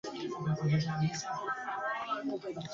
En Oporto fue discípulo de João Marques de Oliveira.